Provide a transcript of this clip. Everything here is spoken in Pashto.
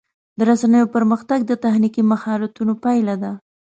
د رسنیو پرمختګ د تخنیکي مهارتونو پایله ده.